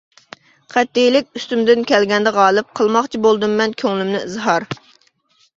قەتئىيلىك ئۈستۈمدىن كەلگەندە غالىپ، قىلماقچى بولدۇممەن كۆڭلۈمنى ئىزھار.